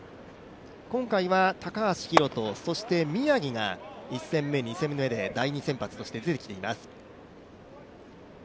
今回は高橋宏斗そして宮城が１戦目、２戦目にして第２先発で出てきています。